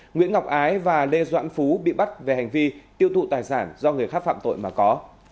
nguyễn ngọc ái và lê doãn phú bị bắt về hành vi tiêu thụ tài sản do người khác phạm tội mà có